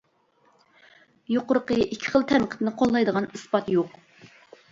يۇقىرىقى ئىككى خىل تەنقىدنى قوللايدىغان ئىسپات يوق.